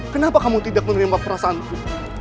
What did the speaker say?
kenapa kamu tidak menerima perasaanku